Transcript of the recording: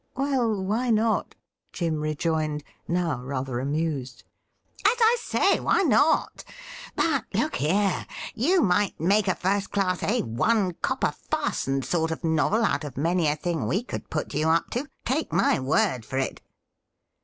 'Well, why not ?'' Jim rejoined, now rather amused. ' As I say, why not ? But look here : you might make a first class Al copper fastened soi t of novel out of many a thing we could put you up to — ^take my word for it.'